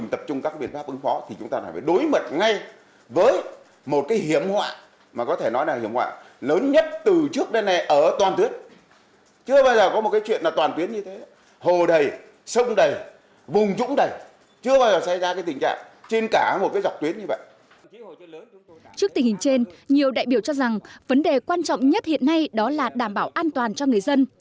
trước tình hình trên nhiều đại biểu cho rằng vấn đề quan trọng nhất hiện nay đó là đảm bảo an toàn cho người dân